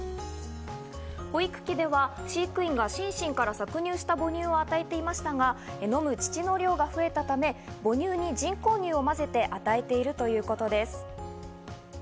保育器では飼育員がシンシンから搾乳した母乳を与えていましたが、飲む乳の量が増えたため、母乳に人工乳を混ぜて与えているということです。